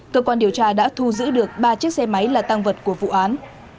cơ quan điều tra đã thu giữ được ba chiếc xe máy là tăng vật của vụ án